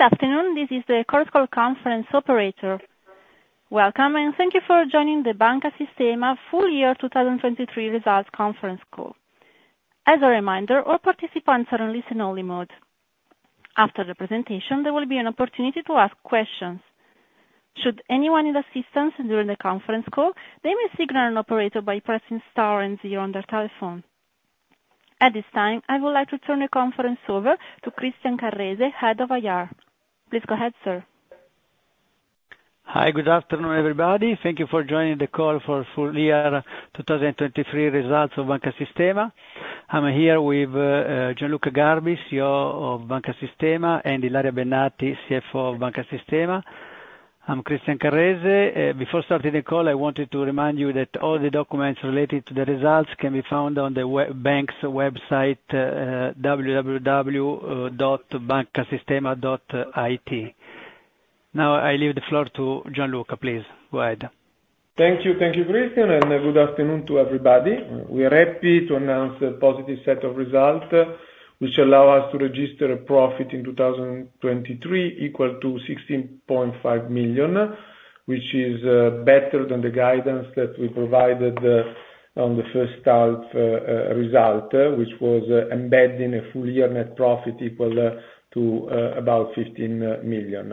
Good afternoon, this is the corporate conference operator. Welcome, and thank you for joining the Banca Sistema Full Year 2023 Results Conference Call. As a reminder, all participants are in listen-only mode. After the presentation, there will be an opportunity to ask questions. Should anyone need assistance during the conference call, they may signal an operator by pressing star and zero on their telephone. At this time, I would like to turn the conference over to Christian Carrese, Head of IR. Please go ahead, sir. Hi, good afternoon, everybody. Thank you for joining the call for full year 2023 results of Banca Sistema. I'm here with Gianluca Garbi, CEO of Banca Sistema, and Ilaria Bennati, CFO of Banca Sistema. I'm Christian Carrese. Before starting the call, I wanted to remind you that all the documents related to the results can be found on the bank's website, www.bancasistema.it. Now, I leave the floor to Gianluca, please go ahead. Thank you. Thank you, Christian, and good afternoon to everybody. We are happy to announce a positive set of results, which allow us to register a profit in 2023 equal to 16.5 million, which is better than the guidance that we provided on the first half result, which was embedding a full year net profit equal to about 15 million.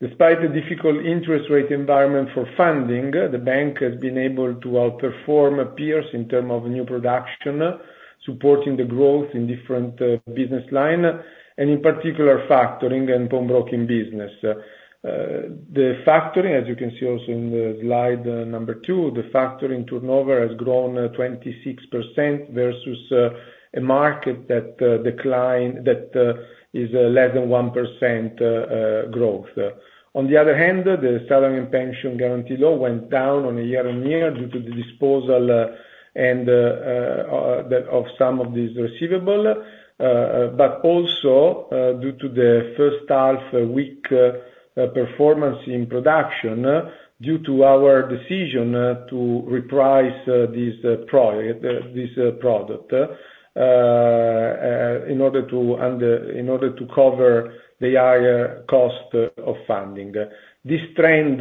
Despite the difficult interest rate environment for funding, the bank has been able to outperform peers in terms of new production, supporting the growth in different business line, and in particular, factoring and broking business. The factoring, as you can see also in the slide number 2, the factoring turnover has grown 26% versus a market that declined that is less than 1% growth. On the other hand, the salary and pension guaranteed loans went down on a year-on-year basis due to the disposal and of some of these receivables, but also due to the first-half weak performance in production due to our decision to reprice this product in order to cover the higher cost of funding. This trend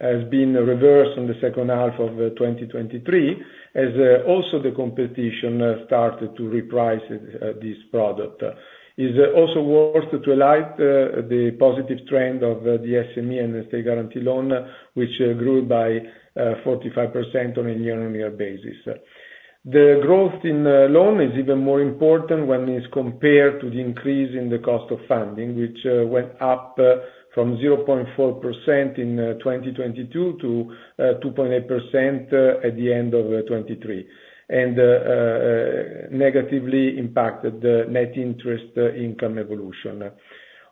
has been reversed in the second half of 2023, as also the competition started to reprice this product. It's also worth to highlight the positive trend of the SME and the state-guaranteed loans, which grew by 45% on a year-on-year basis. The growth in loan is even more important when it's compared to the increase in the cost of funding, which went up from 0.4% in 2022 to 2.8% at the end of 2023, and negatively impacted the net interest income evolution.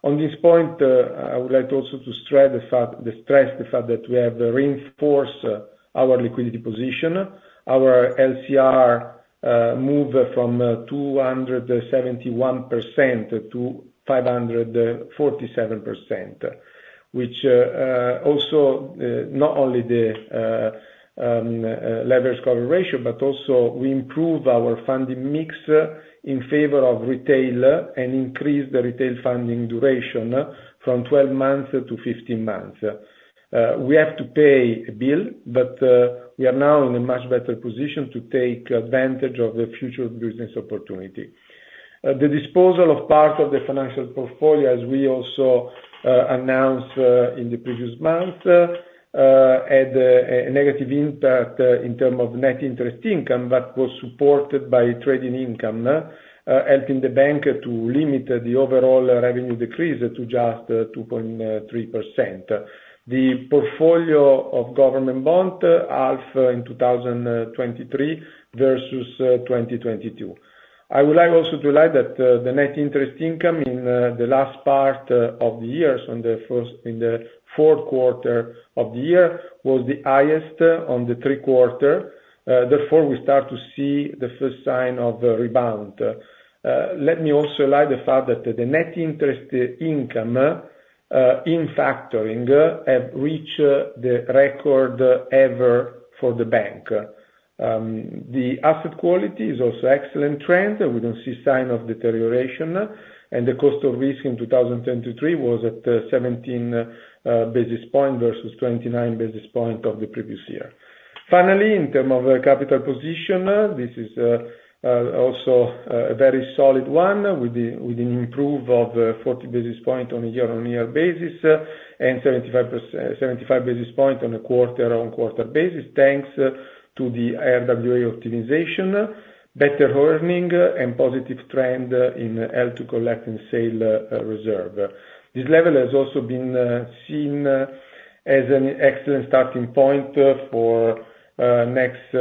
On this point, I would like also to stress the fact that we have reinforced our liquidity position. Our LCR moved from 271%-547%, which also not only the leverage cover ratio, but also we improve our funding mix in favor of retail and increase the retail funding duration from 12 months-15 months. We have to pay a bill, but we are now in a much better position to take advantage of the future business opportunity. The disposal of part of the financial portfolio, as we also announced in the previous month, had a negative impact in terms of net interest income, but was supported by trading income, helping the bank to limit the overall revenue decrease to just 2.3%. The portfolio of government bonds halved in 2023 versus 2022. I would like also to highlight that the net interest income in the last part of the year, in the fourth quarter of the year, was the highest of the three quarters, therefore we start to see the first sign of a rebound. Let me also highlight the fact that the net interest income in factoring have reached the record ever for the bank. The asset quality is also excellent trend, and we don't see sign of deterioration, and the cost of risk in 2023 was at 17 basis points versus 29 basis points of the previous year. Finally, in terms of capital position, this is also a very solid one, with an improvement of 40 basis points on a year-on-year basis, and 75 basis points on a quarter-on-quarter basis, thanks to the RWA optimization, better earnings, and positive trend in Held to Collect and Sell reserves. This level has also been seen as an excellent starting point for next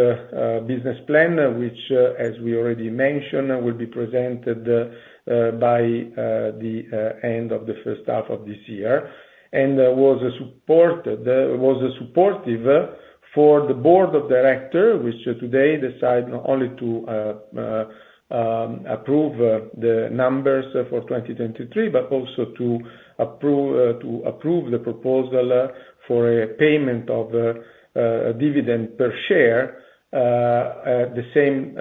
business plan, which as we already mentioned will be presented by the end of the first half of this year. And was supportive for the Board of Directors, which today decide not only to approve the numbers for 2023, but also to approve the proposal for a payment of dividend per share the same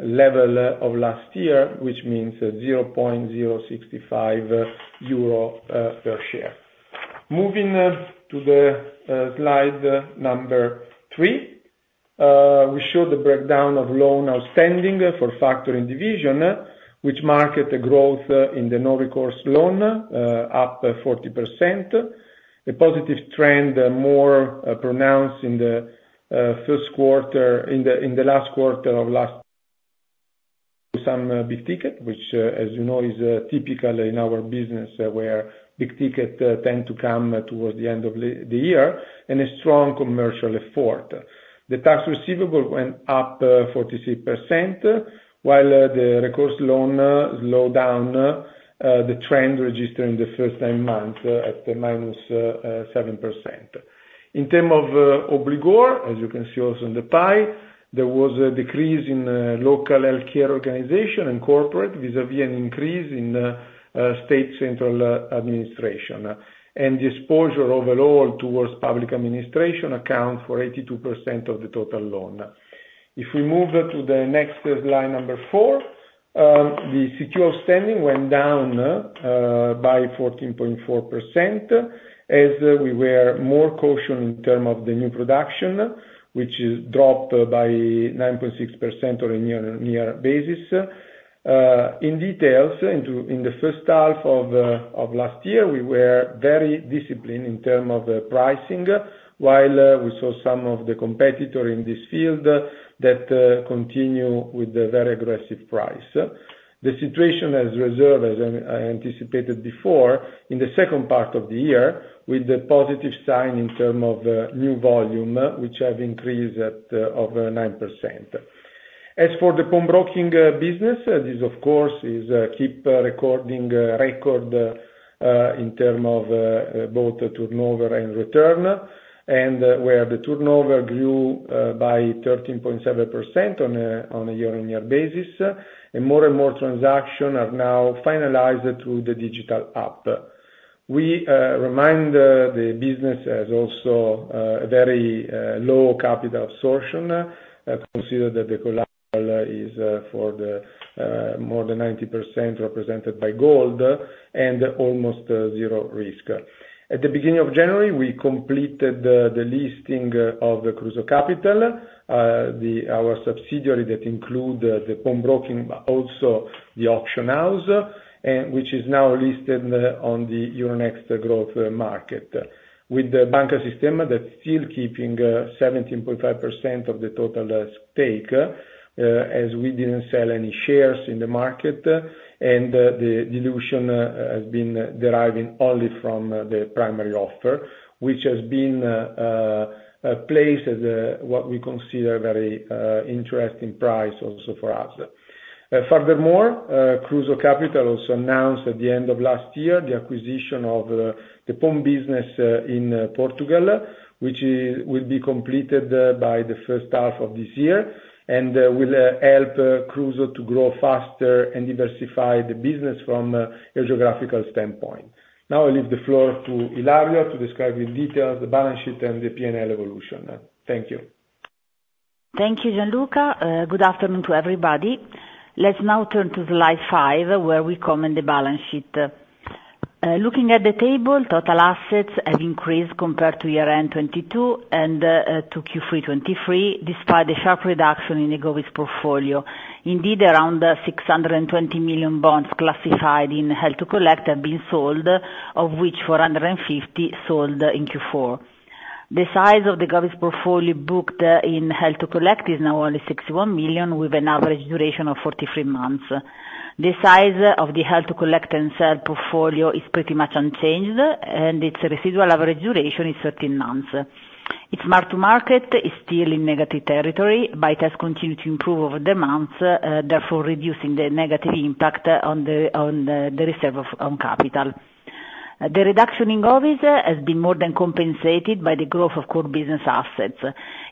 level of last year, which means 0.065 euro per share. Moving to the slide number 3, we show the breakdown of loan outstanding for factoring division, which marks the growth in the non-recourse loan up 40%. The positive trend more pronounced in the first quarter, in the last quarter of last some big ticket which as you know is typical in our business, where big ticket tend to come towards the end of the year, and a strong commercial effort. The tax receivable went up 46%, while the recourse loan slowed down the trend registered in the first nine months at the minus 7%. In terms of obligor, as you can see also in the pie there was a decrease in local healthcare organization and corporate, vis-a-vis an increase in state central administration. The exposure overall towards public administration accounts for 82% of the total loan. If we move to the next slide number 4, the secured outstanding went down by 14.4%, as we were more caution in term of the new production which is dropped by 9.6% on a year-on-year basis. In details, in the first half of last year we were very disciplined in term of pricing, while we saw some of the competitor in this field that continue with the very aggressive price. The situation has reversed as I anticipated before, in the second part of the year with a positive sign in term of new volume, which have increased at over 9%. As for the pawnbroking business this of course is keeping record in terms of both the turnover and return, and where the turnover grew by 13.7% on a year-on-year basis, and more and more transactions are now finalized through the digital app. We remind the business is also very low capital absorption, consider that the collateral is for the more than 90% represented by gold, and almost zero risk. At the beginning of January, we completed the listing of the Kruso Kapital, our subsidiary that include the pawnbroking, but also the auction house, and which is now listed on the Euronext Growth market. With the Banca Sistema that's still keeping 17.5% of the total stake, as we didn't sell any shares in the market, and the dilution has been deriving only from the primary offer, which has been placed at what we consider very interesting price also for us. Furthermore, Kruso Kapital also announced at the end of last year the acquisition of the pawn business in Portugal, which will be completed by the first half of this year, and will help Kruso to grow faster and diversify the business from a geographical standpoint. Now, I leave the floor to Ilaria to describe in detail the balance sheet and the P&L evolution. Thank you. Thank you, Gianluca. Good afternoon to everybody. Let's now turn to slide 5, where we comment the balance sheet. Looking at the table, total assets have increased compared to year-end 2022 and to Q3 2023, despite the sharp reduction in the Govies portfolio. Indeed, around 620 million bonds classified in Held to Collect have been sold, of which 450 sold in Q4. The size of the Govies portfolio booked in Held to Collect is now only 61 million, with an average duration of 43 months. The size of the Held to Collect and Sell portfolio is pretty much unchanged, and its residual average duration is 13 months. Its mark-to-market is still in negative territory, but it has continued to improve over the months, therefore reducing the negative impact on the reserves on capital. The reduction in Govies has been more than compensated by the growth of core business assets.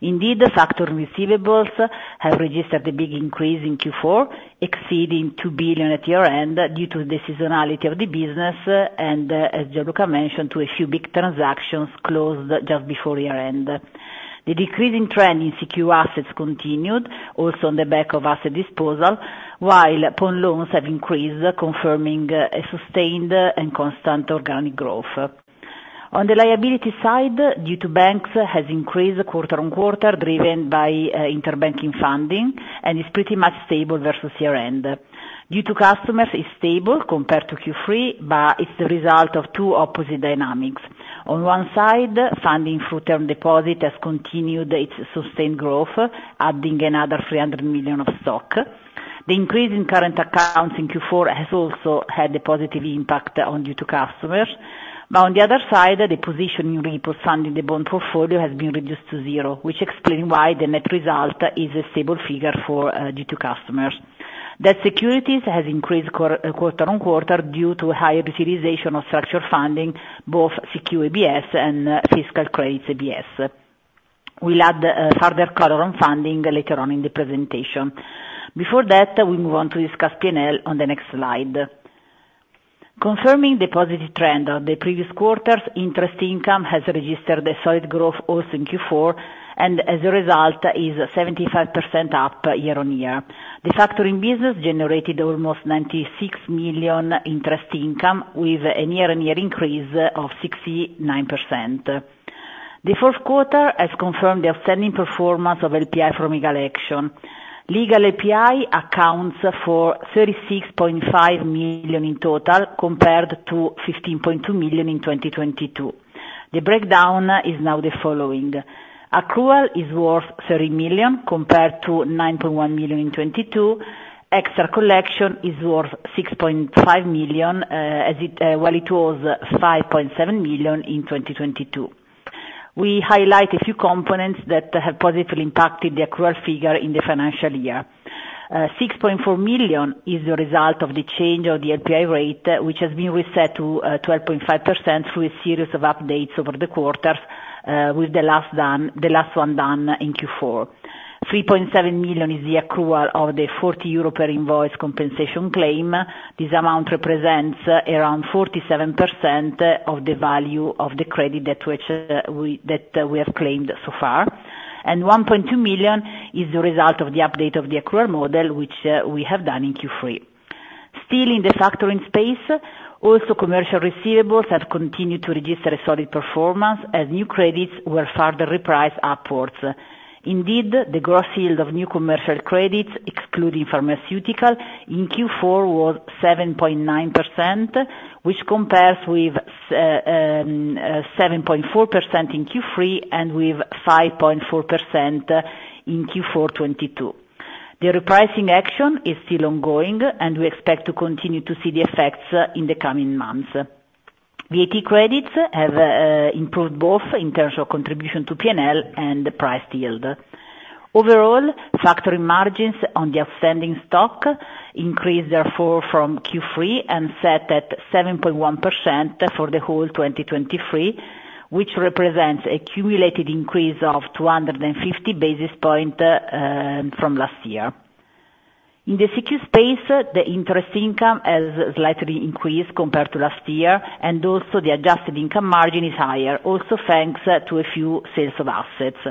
Indeed, the factoring receivables have registered a big increase in Q4, exceeding 2 billion at year-end, due to the seasonality of the business, and as Gianluca mentioned to a few big transactions closed just before year-end. The decreasing trend in secured assets continued, also on the back of asset disposal, while pawn loans have increased, confirming a sustained and constant organic growth. On the liability side, due to banks, has increased quarter-on-quarter driven by interbank funding, and is pretty much stable versus year-end. Due to customers is stable compared to Q3, but it's the result of two opposite dynamics. On one side, funding through term deposit has continued its sustained growth, adding another 300 million of stock. The increase in current accounts in Q4 has also had a positive impact on due to customers. But on the other side, the position in repo funding, the bond portfolio has been reduced to zero, which explain why the net result is a stable figure for due to customers. The securities has increased quarter on quarter, due to higher visualization of structured funding, both secured ABS and fiscal credits ABS. We'll add further color on funding later on in the presentation. Before that, we move on to discuss P&L on the next slide. Confirming the positive trend of the previous quarters, interest income has registered a solid growth also in Q4, and as a result, is 75% up, year-on-year. The factoring business generated almost 96 million interest income, with a year-on-year increase of 69%. The fourth quarter has confirmed the outstanding performance of LPI from legal action. Legal LPI accounts for 36.5 million in total, compared to 15.2 million in 2022. The breakdown is now the following: accrual is worth 30 million, compared to 9.1 million in 2022. Extra collection is worth 6.5 million as it well it was 5.7 million in 2022. We highlight a few components that have positively impacted the accrual figure in the financial year. 6.4 million is the result of the change of the LPI rate, which has been reset to 12.5% through a series of updates over the quarters with the last one done in Q4. 3.7 million is the accrual of the 40 euro per invoice compensation claim. This amount represents around 47% of the value of the credit that we have claimed so far, and 1.2 million is the result of the update of the accrual model, which we have done in Q3. Still in the factoring space also commercial receivables have continued to register a solid performance as new credits were further repriced upwards. Indeed, the gross yield of new commercial credits excluding pharmaceutical in Q4 was 7.9% which compares with 7.4% in Q3 and with 5.4% in Q4 2022. The repricing action is still ongoing, and we expect to continue to see the effects in the coming months. VAT credits have improved both in terms of contribution to PNL and the price yield. Overall factoring margins on the outstanding stock increased therefore from Q3 and set at 7.1% for the whole 2023, which represents a cumulative increase of 250 basis points from last year. In the CQ space the interest income has slightly increased compared to last year, and also the adjusted income margin is higher also thanks to a few sales of assets.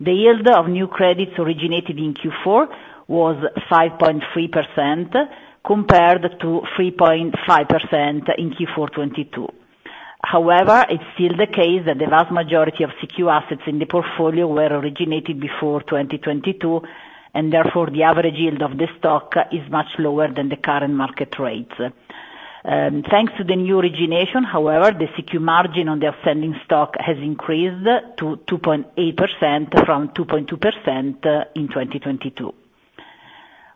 The yield of new credits originated in Q4 was 5.3%, compared to 3.5% in Q4 2022. However, it's still the case that the vast majority of CQ assets in the portfolio were originated before 2022, and therefore, the average yield of the stock is much lower than the current market rates. Thanks to the new origination, however, the CQ margin on the outstanding stock has increased to 2.8% from 2.2% in 2022.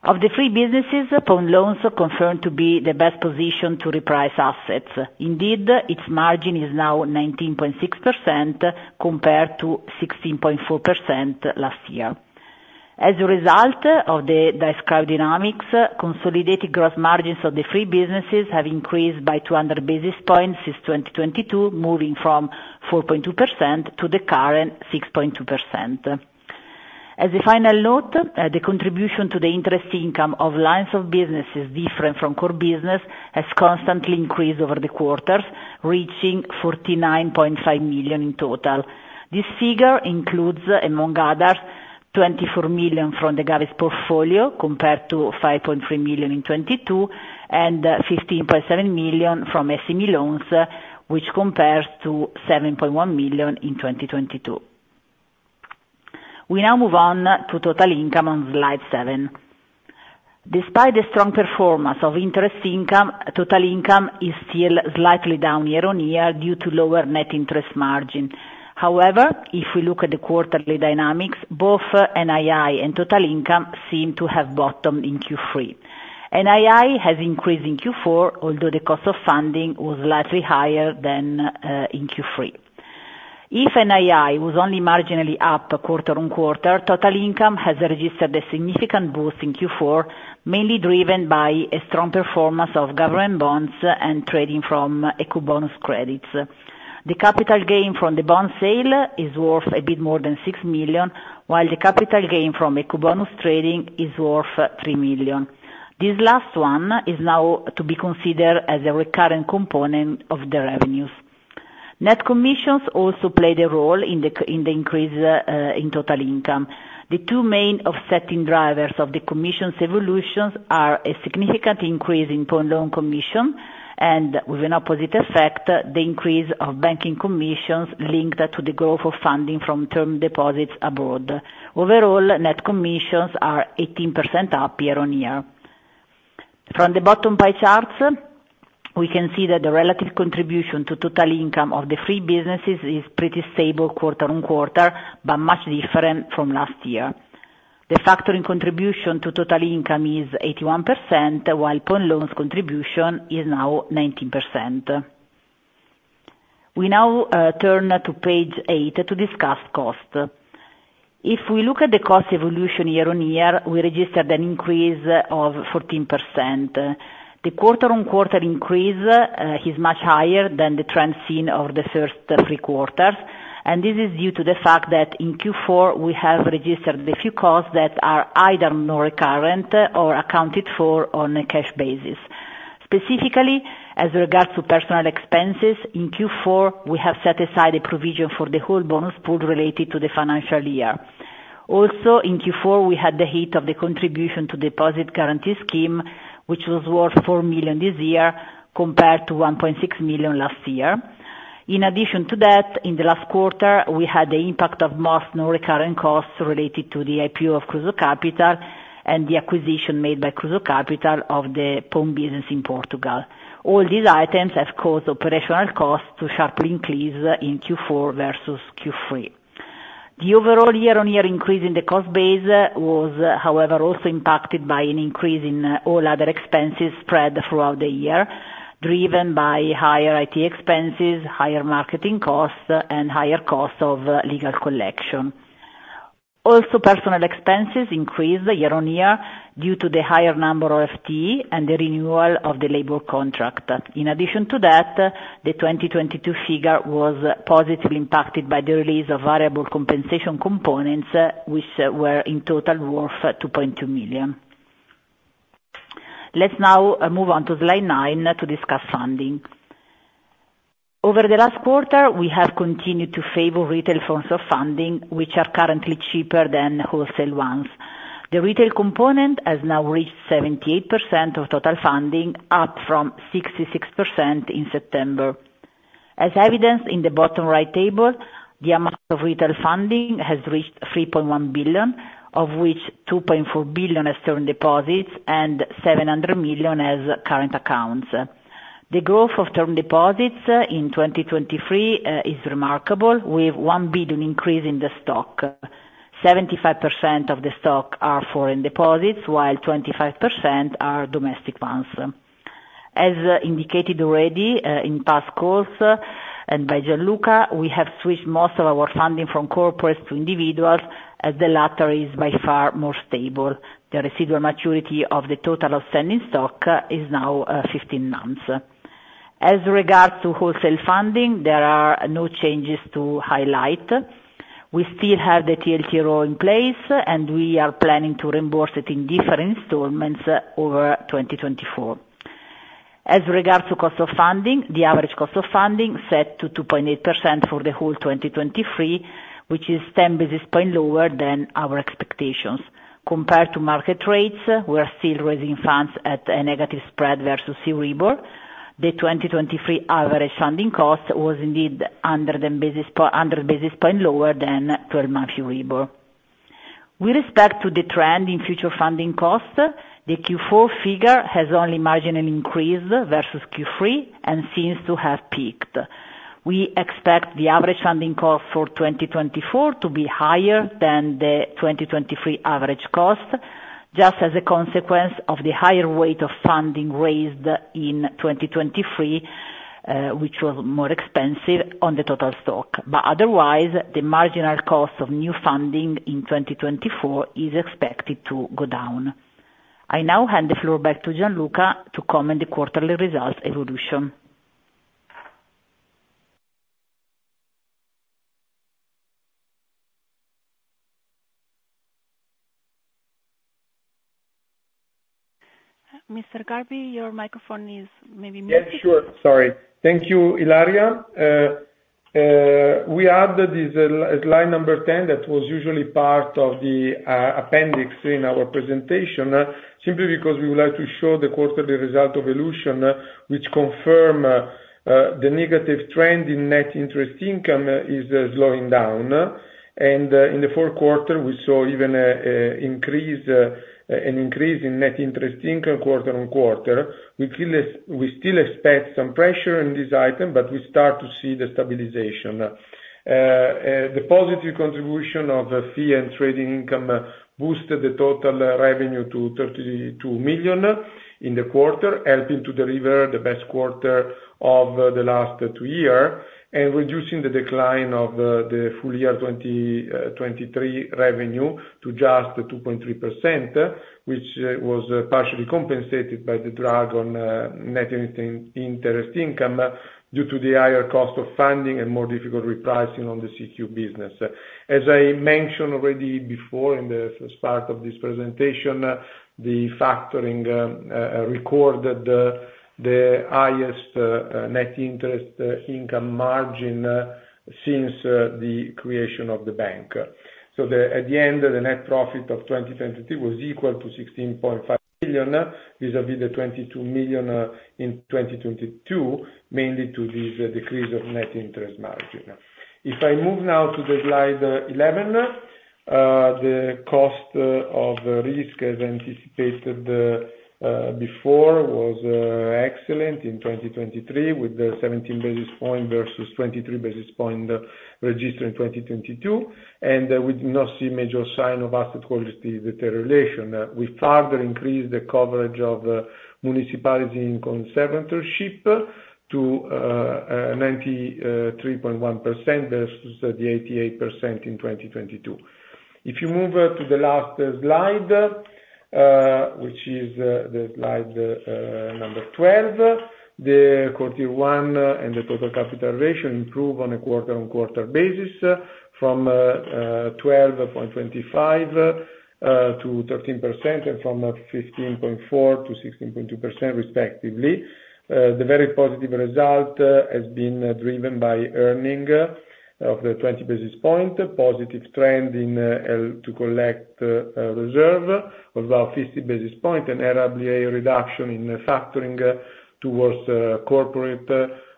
Of the three businesses, pawn loans are confirmed to be the best position to reprice assets. Indeed, its margin is now 19.6% compared to 16.4% last year. As a result of the described dynamics, consolidated gross margins of the three businesses have increased by 200 basis points since 2022, moving from 4.2% to the current 6.2%. As a final note, the contribution to the interest income of lines of businesses different from core business has constantly increased over the quarters, reaching 49.5 million in total. This figure includes among others 24 million from the Govies portfolio compared to 5.3 million in 2022, and fifteen point seven million from SME Loans, which compares to 7.1 million in 2022. We now move on to total income on slide 7. Despite the strong performance of interest income, total income is still slightly down year-on-year due to lower net interest margin. However, if we look at the quarterly dynamics both NII and total income seem to have bottomed in Q3. NII has increased in Q4, although the cost of funding was slightly higher than in Q3. If NII was only marginally up quarter on quarter total income has registered a significant boost in Q4, mainly driven by a strong performance of government bonds and trading from Ecobonus credits. The capital gain from the bond sale is worth a bit more than 6 million, while the capital gain from Ecobonus trading is worth 3 million. This last one is now to be considered as a recurrent component of the revenues. Net commissions also played a role in the increase in total income. The two main offsetting drivers of the commissions' evolutions are a significant increase in pawn loan commissions, and with an opposite effect, the increase of banking commissions linked to the growth of funding from term deposits abroad. Overall, net commissions are 18% up year-on-year. From the bottom pie charts we can see that the relative contribution to total income of the three businesses is pretty stable quarter-on-quarter, but much different from last year. The factoring contribution to total income is 81%, while pawn loans contribution is now 19%. We now turn to page eight to discuss cost. If we look at the cost evolution year-on-year, we registered an increase of 14%. The quarter-on-quarter increase is much higher than the trend seen over the first three quarters, and this is due to the fact that in Q4, we have registered a few costs that are either non-recurring or accounted for on a cash basis. Specifically, as regards to personnel expenses, in Q4, we have set aside a provision for the whole bonus pool related to the financial year. Also, in Q4, we had the hit of the contribution to Deposit Guarantee Scheme, which was worth 4 million this year, compared to 1.6 million last year. In addition to that, in the last quarter, we had the impact of more non-recurring costs related to the IPO of Kruso Kapital and the acquisition made by Kruso Kapital of the pawn business in Portugal. All these items have caused operational costs to sharply increase in Q4 versus Q3. The overall year-on-year increase in the cost base was, however, also impacted by an increase in all other expenses spread throughout the year, driven by higher IT expenses, higher marketing costs, and higher costs of legal collection. Also, personal expenses increased year-on-year due to the higher number of FTE and the renewal of the labor contract. In addition to that, the 2022 figure was positively impacted by the release of variable compensation components, which were in total worth 2.2 million. Let's now move on to slide 9 to discuss funding. Over the last quarter, we have continued to favor retail forms of funding, which are currently cheaper than wholesale ones. The retail component has now reached 78% of total funding, up from 66% in September. As evidenced in the bottom right table, the amount of retail funding has reached 3.1 billion, of which 2.4 billion is term deposits and 700 million as current accounts. The growth of term deposits in 2023 is remarkable, with 1 billion increase in the stock. 75% of the stock are foreign deposits, while 25% are domestic ones. As indicated already in past calls, and by Gianluca, we have switched most of our funding from corporates to individuals, as the latter is by far more stable. The residual maturity of the total outstanding stock is now 15 months. As regards to wholesale funding, there are no changes to highlight. We still have the TLTRO in place, and we are planning to reimburse it in different installments over 2024. As regards to cost of funding, the average cost of funding set to 2.8% for the whole 2023, which is 10 basis points lower than our expectations. Compared to market rates, we are still raising funds at a negative spread versus Euribor. The 2023 average funding cost was indeed under 10 basis points lower than twelve-month Euribor. With respect to the trend in future funding costs, the Q4 figure has only marginally increased versus Q3 and seems to have peaked. We expect the average funding cost for 2024 to be higher than the 2023 average cost, just as a consequence of the higher weight of funding raised in 2023, which was more expensive on the total stock. But otherwise, the marginal cost of new funding in 2024 is expected to go down. I now hand the floor back to Gianluca to comment the quarterly results evolution. Mr. Garbi, your microphone is maybe muted. Yeah, sure. Sorry. Thank you, Ilaria. We added this slide number ten, that was usually part of the appendix in our presentation, simply because we would like to show the quarterly result evolution, which confirm the negative trend in net interest income is slowing down. In the fourth quarter, we saw even an increase in net interest income quarter on quarter. We still expect some pressure in this item, but we start to see the stabilization. The positive contribution of fee and trading income boosted the total revenue to 32 million in the quarter, helping to deliver the best quarter of the last two year, and reducing the decline of the full year 2023 revenue to just 2.3%, which was partially compensated by the drag on net interest income, due to the higher cost of funding and more difficult repricing on the CQ business. As I mentioned already before in the first part of this presentation, the factoring recorded the highest net interest income margin since the creation of the bank. So at the end, the net profit of 2022 was equal to 16.5 million, vis-à-vis the 22 million in 2022, mainly to this decrease of net interest margin. If I move now to the slide 11, the cost of risk as anticipated before was excellent in 2023, with the 17 basis point versus 23 basis point registered in 2022, and we do not see major sign of asset quality deterioration. We further increased the coverage of municipalities in conservatorship to 93.1% versus the 88% in 2022. If you move to the last slide, which is the slide 12, the Core Tier 1 and the total capitalization improve on a quarter-on-quarter basis from 12.25%-13%, and from 15.4%-16.2% respectively. The very positive result has been driven by earning of the 20 basis point positive trend in Held to Collect reserve of about 50 basis points, and RWA reduction in factoring towards corporate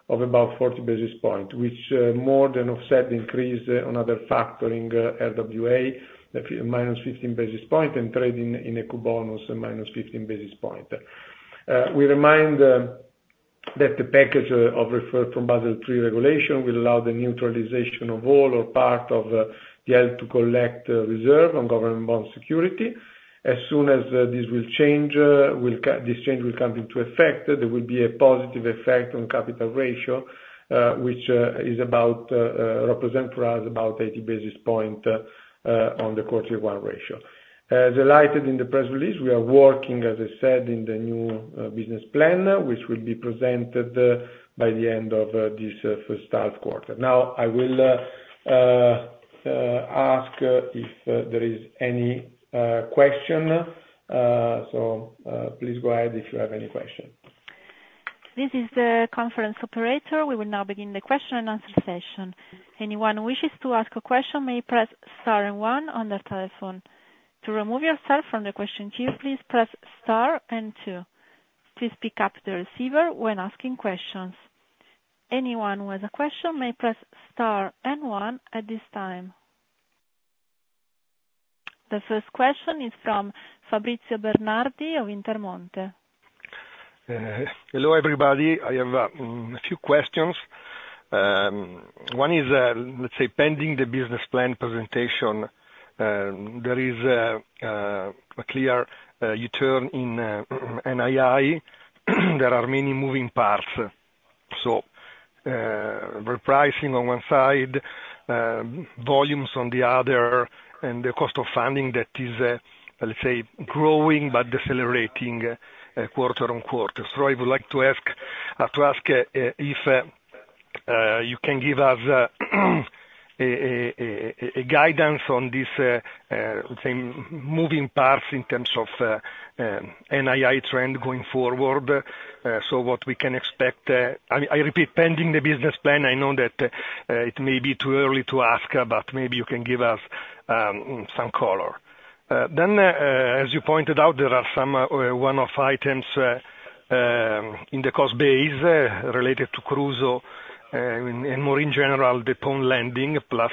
of about 40 basis points, which more than offset the increase on other factoring RWA, the -15 basis points and trading income -15 basis points. We remind that the package of reforms from Basel III regulation will allow the neutralization of all or part of the Held to Collect reserve on government bond security. As soon as this change will come into effect, there will be a positive effect on capital ratio, which is about represent for us about 80 basis point on the Core Tier 1 ratio. As highlighted in the press release, we are working, as I said, in the new business plan, which will be presented by the end of this first half quarter. Now, I will ask if there is any question. So, please go ahead if you have any question. This is the conference operator. We will now begin the question and answer session. Anyone who wishes to ask a question may press star and one on their telephone. To remove yourself from the question queue, please press star and two. Please pick up the receiver when asking questions. Anyone who has a question may press star and one at this time. The first question is from Fabrizio Bernardi of Intermonte. Hello, everybody. I have a few questions. One is, let's say pending the business plan presentation, there is a clear U-turn in NII. There are many moving parts, so repricing on one side, volumes on the other, and the cost of funding that is, let's say, growing but decelerating quarter on quarter. So I would like to ask if you can give us a guidance on this same moving parts in terms of NII trend going forward, so what we can expect. I repeat, pending the business plan, I know that it may be too early to ask, but maybe you can give us some color. Then, as you pointed out, there are some one-off items in the cost base related to Kruso, and more in general, the pawn lending, plus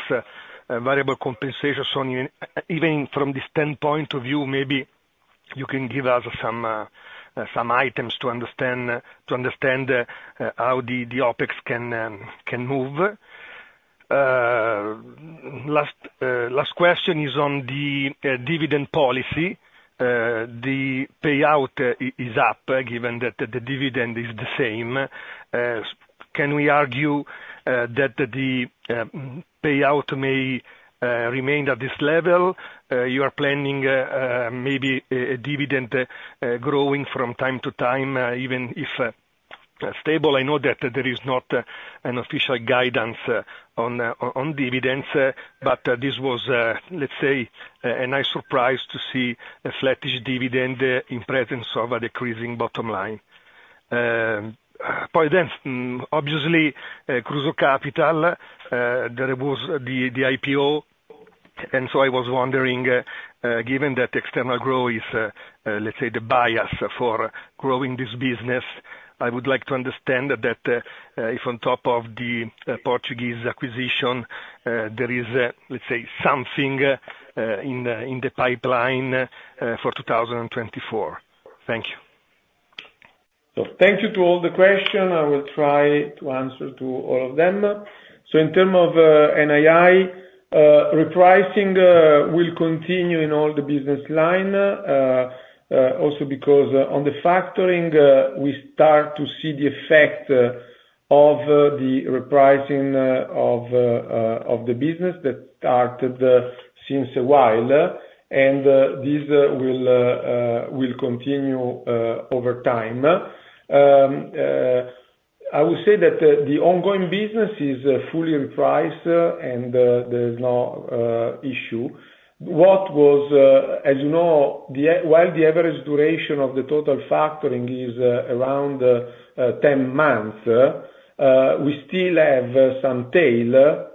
variable compensations on even from this standpoint of view, maybe you can give us some items to understand how the OpEx can move. Last question is on the dividend policy. The payout is up, given that the dividend is the same. Can we argue that the payout may remain at this level? You are planning maybe a dividend growing from time to time, even if stable. I know that there is not an official guidance on dividends, but this was, let's say, a nice surprise to see a flattish dividend in presence of a decreasing bottom line. By then, obviously, Kruso Capital, there was the IPO, and so I was wondering, given that external growth is, let's say the bias for growing this business, I would like to understand that if on top of the Portuguese acquisition, there is let's say something in the pipeline for 2024. Thank you. So thank you to all the question. I will try to answer to all of them. So in terms of NII, repricing will continue in all the business line, also because on the factoring, we start to see the effect of the repricing of the business that started since a while, and this will continue over time. I would say that the ongoing business is fully repriced, and there's no issue. What was, as you know, while the average duration of the total factoring is around 10 months, we still have some tail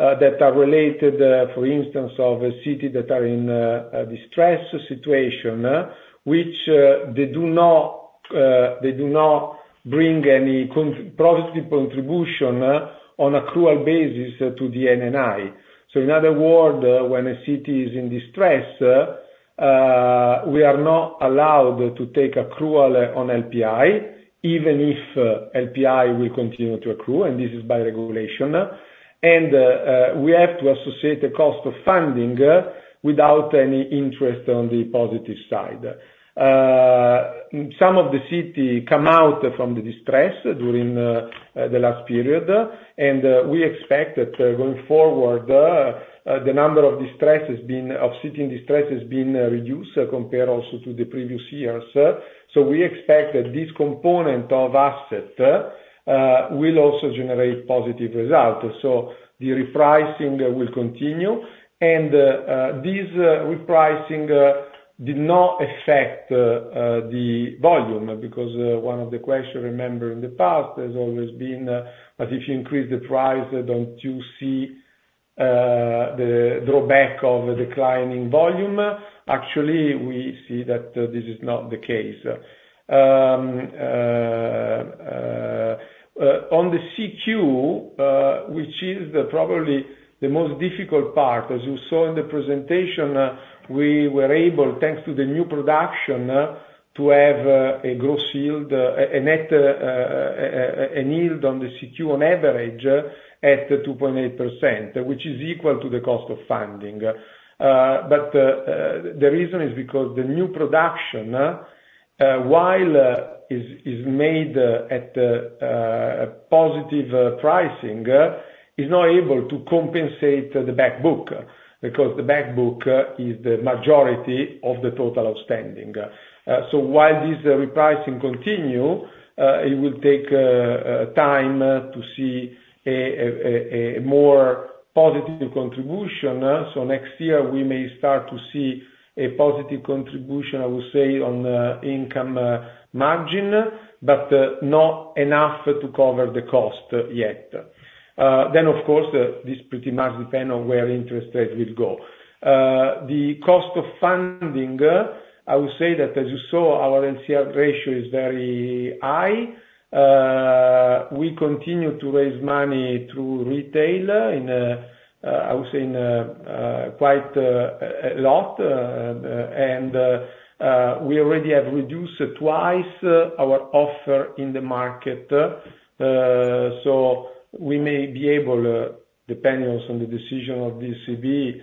that are related, for instance, of a city that are in a distressed situation, which they do not, they do not bring any positive contribution on accrual basis to the NNI. So in other words, when a city is in distress, we are not allowed to take accrual on LPI, even if LPI will continue to accrue, and this is by regulation. We have to associate the cost of funding without any interest on the positive side. Some of the securities come out from the distress during the last period, and we expect that going forward the number of distressed securities has been reduced compared also to the previous years. So we expect that this component of assets will also generate positive results. So the repricing will continue, and this repricing did not affect the volume, because one of the questions, remember, in the past has always been that if you increase the price, don't you see the drawback of the declining volume? Actually, we see that this is not the case. On the CQ, which is the probably the most difficult part, as you saw in the presentation, we were able, thanks to the new production, to have a gross yield, a net, an yield on the CQ on average at the 2.8%, which is equal to the cost of funding. But the reason is because the new production, while is made at a positive pricing, is not able to compensate the back book, because the back book is the majority of the total outstanding. So while this repricing continue, it will take time to see a more positive contribution. So next year we may start to see a positive contribution, I would say, on the income margin, but not enough to cover the cost yet. Then of course, this pretty much depend on where interest rate will go. The cost of funding, I would say that as you saw, our LCR ratio is very high. We continue to raise money through retail, I would say in quite a lot, and we already have reduced twice our offer in the market. So we may be able, depends on the decision of the ECB,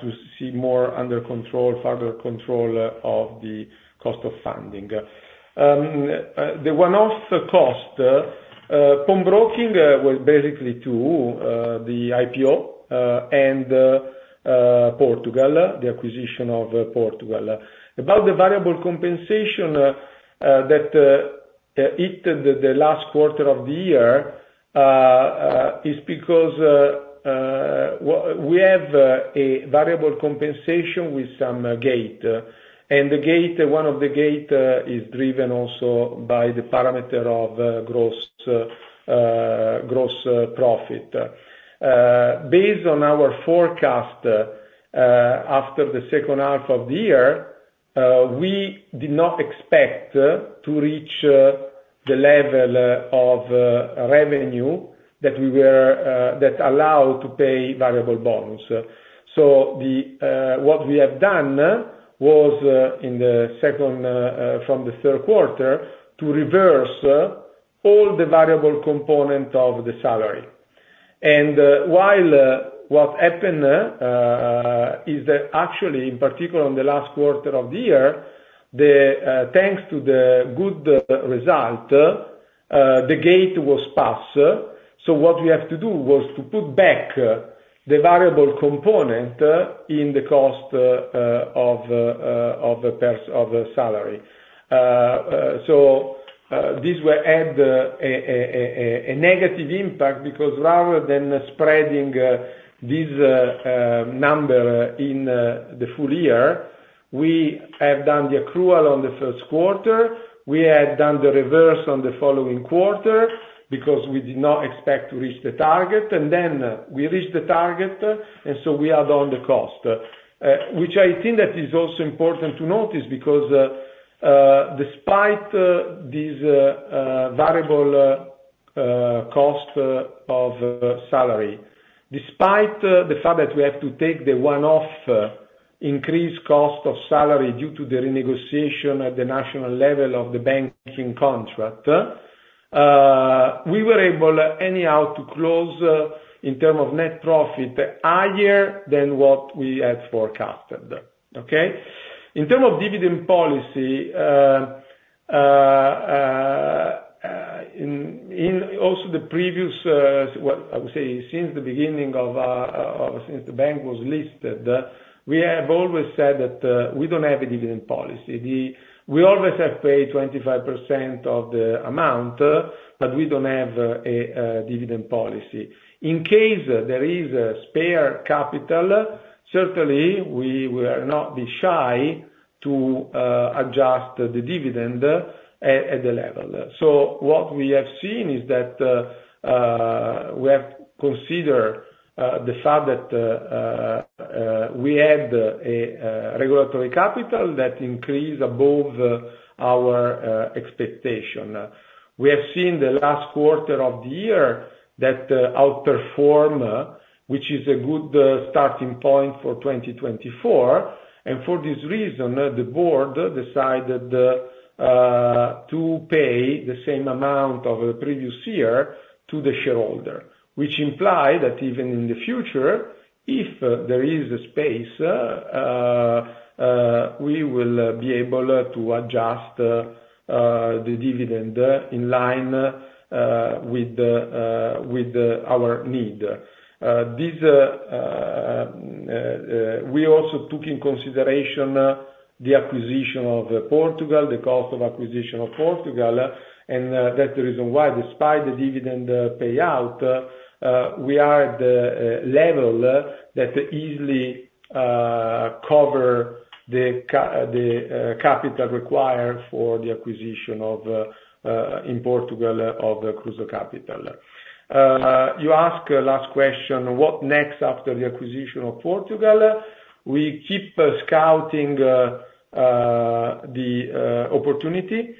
to see more under control further control of the cost of funding. The one-off cost from broking was basically two, the IPO, and Portugal, the acquisition of Portugal. About the variable compensation that hit the last quarter of the year is because, well, we have a variable compensation with some gate, and the gate, one of the gate, is driven also by the parameter of gross profit. Based on our forecast after the second half of the year, we did not expect to reach the level of revenue that we were that allowed to pay variable bonds. So what we have done was, in the second, from the third quarter, to reverse all the variable component of the salary. While what happened is that actually, in particular in the last quarter of the year, thanks to the good result, the gate was passed. So what we have to do was to put back the variable component in the cost of the personnel salary. So this will add a negative impact, because rather than spreading this number in the full year, we have done the accrual on the first quarter. We had done the reverse on the following quarter, because we did not expect to reach the target, and then we reached the target, and so we add on the cost. which I think that is also important to notice, because, despite this variable cost of salary, despite the fact that we have to take the one-off increased cost of salary due to the renegotiation at the national level of the banking contract, we were able anyhow to close, in term of net profit, higher than what we had forecasted, okay? In term of dividend policy, in also the previous, well, I would say since the beginning of since the bank was listed, we have always said that we don't have a dividend policy. We always have paid 25% of the amount, but we don't have a dividend policy. In case there is a spare capital, certainly we will not be shy to adjust the dividend at the level. So what we have seen is that we have considered the fact that we had a regulatory capital that increased above our expectation. We have seen the last quarter of the year that outperform which is a good starting point for 2024, and for this reason, the Board decided to pay the same amount of the previous year to the shareholder, which imply that even in the future, if there is a space we will be able to adjust the dividend in line with our need. We also took in consideration the acquisition of Portugal, the cost of acquisition of Portugal, and that's the reason why, despite the dividend payout, we are at the level that easily cover the capital required for the acquisition in Portugal of the Kruso Kapital. You ask a last question, what next after the acquisition of Portugal? We keep scouting the opportunity.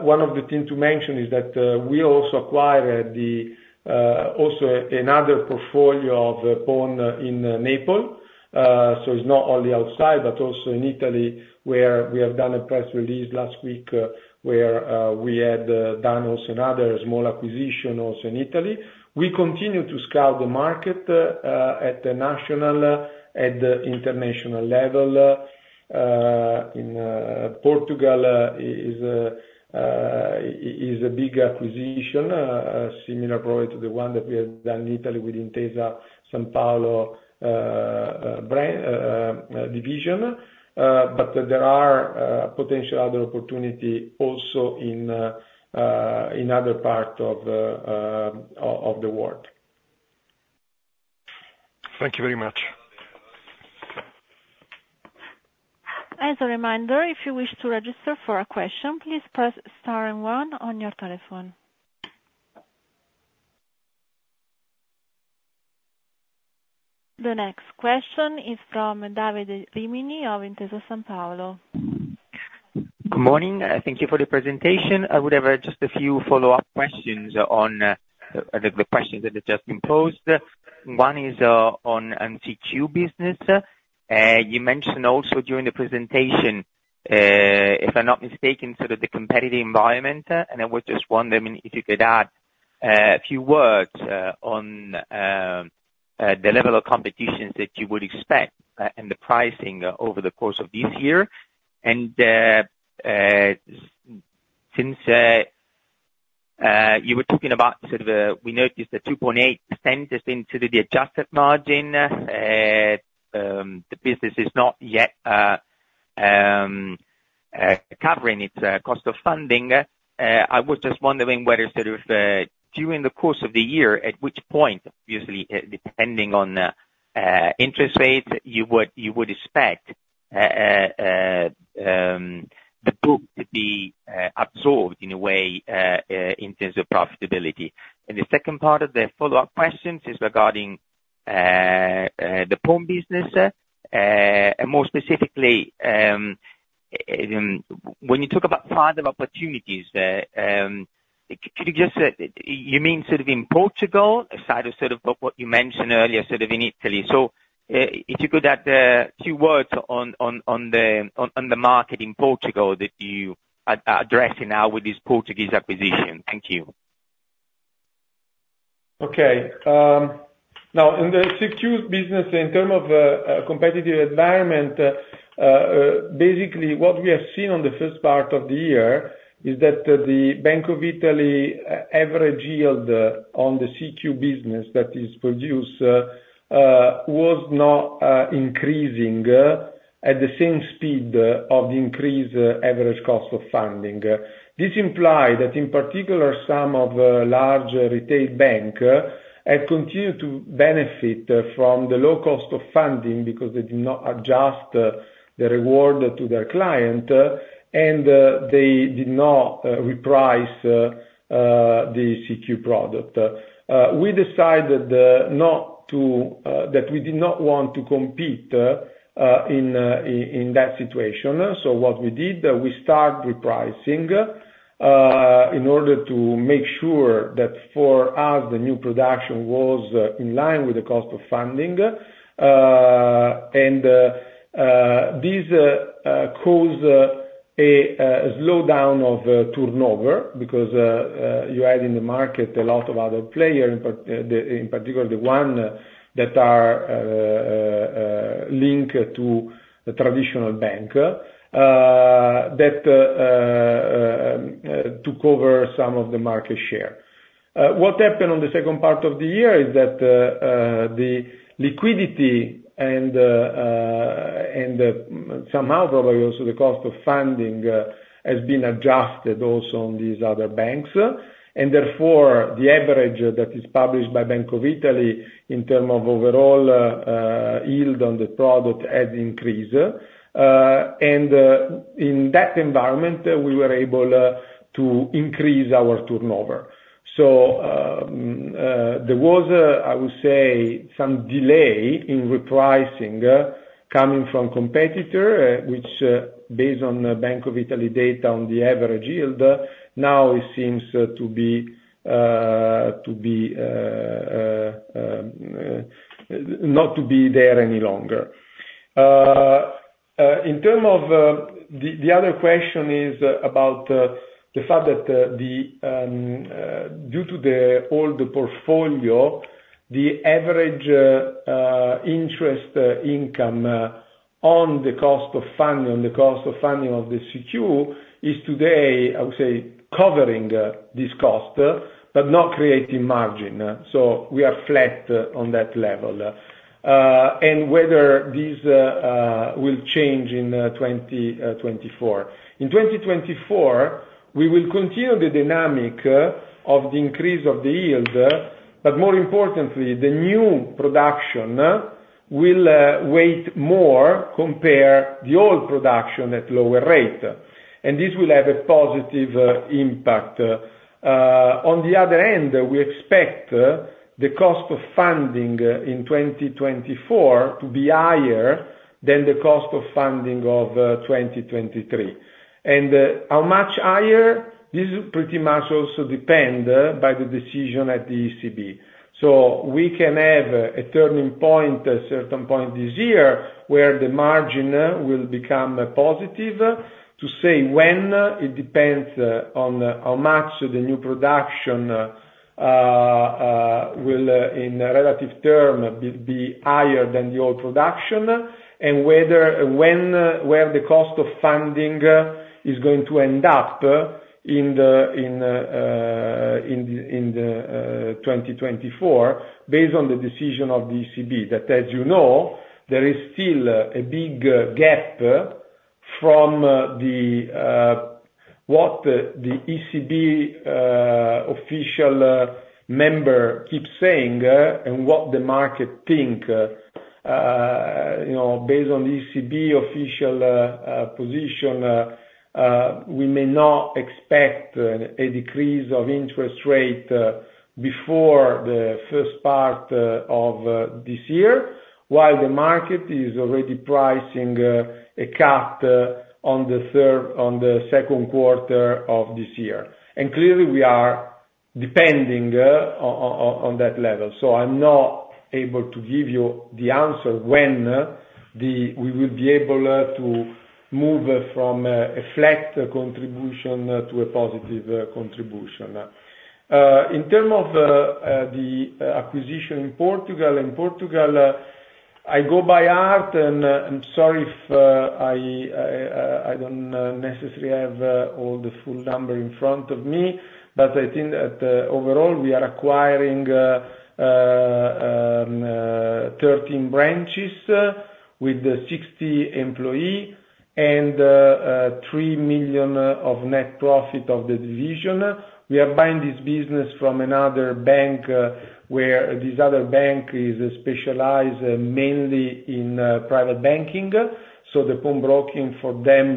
One of the thing to mention is that we also acquired the also another portfolio of pawn in Naples. So it's not only outside, but also in Italy, where we have done a press release last week, where we had done also another small acquisition also in Italy. We continue to scout the market at the national, at the international level, in Portugal is a big acquisition, similar probably to the one that we have done in Italy with Intesa Sanpaolo, division. But there are potential other opportunity also in other part of the world. Thank you very much. As a reminder, if you wish to register for a question, please press star and one on your telephone. The next question is from Davide Rimini of Intesa Sanpaolo. Good morning, and thank you for the presentation. I would have just a few follow-up questions on the questions that have just been posed. One is on CQ business. You mentioned also during the presentation, if I'm not mistaken, sort of the competitive environment, and I would just wonder, I mean, if you could add a few words on the level of competition that you would expect, and the pricing over the course of this year. And you were talking about sort of we noticed that 2.8% has been sort of the adjusted margin, the business is not yet covering its cost of funding. I was just wondering whether sort of during the course of the year, at which point, usually, depending on interest rates, you would expect the book to be absorbed in a way in terms of profitability. The second part of the follow-up questions is regarding the pawn business and more specifically, when you talk about further opportunities there, could you just. You mean sort of in Portugal, aside of sort of what you mentioned earlier, sort of in Italy? If you could add a few words on the market in Portugal that you are addressing now with this Portuguese acquisition. Thank you. Okay. Now, in the CQ business, in terms of the competitive environment, basically, what we have seen in the first part of the year is that the Bank of Italy average yield on the CQ business that is produced was not increasing at the same speed of the increased average cost of funding. This implied that, in particular, some of the large retail banks have continued to benefit from the low cost of funding because they did not adjust the rate to their clients and they did not reprice the CQ product. We decided that we did not want to compete in that situation. So what we did, we start repricing in order to make sure that for us, the new production was in line with the cost of funding. This caused a slowdown of turnover, because you had in the market a lot of other players, in particular, the one that are linked to the traditional bank that to cover some of the market share. What happened on the second part of the year is that the liquidity and somehow probably also the cost of funding has been adjusted also on these other banks, and therefore, the average that is published by Bank of Italy in terms of overall yield on the product has increased. And in that environment, we were able to increase our turnover. So there was a, I would say, some delay in repricing coming from competitor which, based on the Bank of Italy data on the average yield, now it seems to be not to be there any longer. In terms of the other question is about the fact that due to all the portfolio, the average interest income on the cost of funding of the CQ is today, I would say, covering this cost but not creating margin, so we are flat on that level. And whether this will change in 2024. In 2024, we will continue the dynamic of the increase of the yield, but more importantly, the new production will weigh more compare the old production at lower rate, and this will have a positive impact. On the other end, we expect the cost of funding in 2024 to be higher than the cost of funding of 2023. And how much higher? This pretty much also depends by the decision at the ECB. So we can have a turning point at certain point this year, where the margin will become positive. To say when, it depends on how much the new production will, in relative term, be higher than the old production, and when where the cost of funding is going to end up in the 2024, based on the decision of the ECB. That as you know, there is still a big gap from what the ECB official member keeps saying, and what the market think. You know, based on the ECB official position, we may not expect a decrease of interest rate before the first part of this year, while the market is already pricing a cut on the second quarter of this year. And clearly, we are depending on that level, so I'm not able to give you the answer when we will be able to move from a flat contribution to a positive contribution. In terms of the acquisition in Portugal, I go by heart, and I'm sorry if I don't necessarily have all the full number in front of me, but I think that overall, we are acquiring 13 branches with 60 employee and 3 million of net profit of the division. We are buying this business from another bank, where this other bank is specialized mainly in private banking, so the pawnbroking for them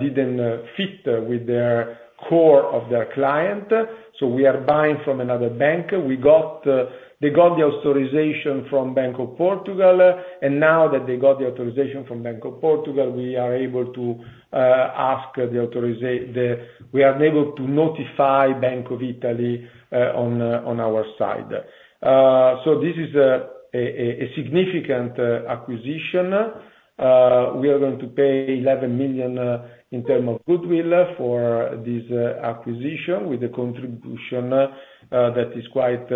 didn't fit with their core of their client, so we are buying from another bank. We got, they got the authorization from Bank of Portugal, and now that they got the authorization from Bank of Portugal, we are able to ask the authorization. We are able to notify Bank of Italy, on on our side. So this is a significant acquisition. We are going to pay 11 million in term of goodwill for this acquisition, with a contribution that is quite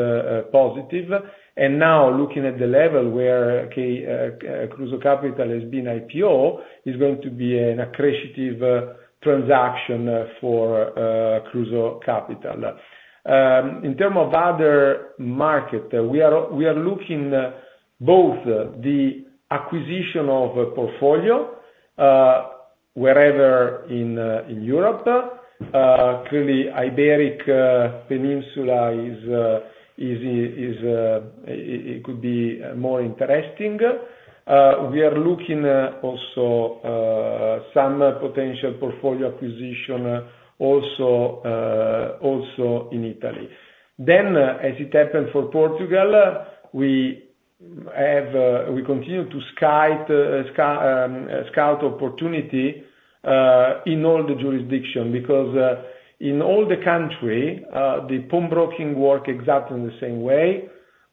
positive. And now, looking at the level where Kruso Kapital has been IPO, is going to be an accretive transaction for Kruso Kapital. In terms of other markets, we are looking both the acquisition of a portfolio wherever in Europe. Clearly, Iberian Peninsula is it could be more interesting. We are looking also some potential portfolio acquisition also in Italy. Then, as it happened for Portugal, we continue to scout opportunities in all the jurisdictions, because in all the countries the pawnbroking works exactly in the same way,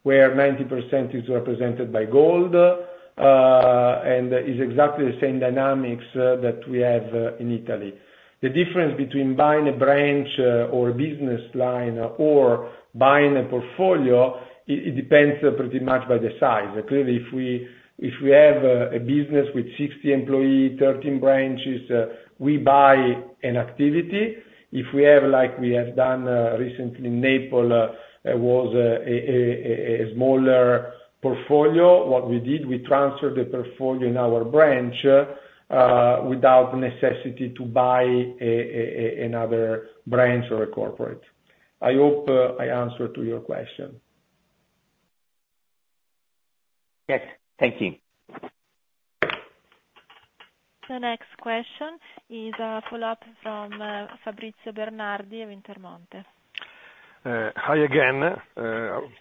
where 90% is represented by gold and is exactly the same dynamics that we have in Italy. The difference between buying a branch, or a business line, or buying a portfolio, it depends pretty much by the size. Clearly, if we have a business with 60 employee, 13 branches, we buy an activity. If we have, like we have done recently in Naples, it was a smaller portfolio, what we did, we transferred the portfolio in our branch without necessity to buy another branch or a corporate. I hope I answered to your question. Yes, thank you. The next question is a follow-up from Fabrizio Bernardi of Intermonte. Hi again.